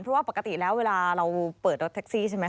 เพราะว่าปกติแล้วเวลาเราเปิดรถแท็กซี่ใช่ไหมค